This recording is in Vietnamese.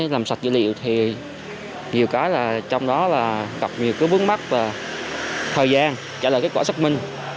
làm sạch dữ liệu thì nhiều cái là trong đó là gặp nhiều vướng mắt về thời gian trả lời kết quả xác minh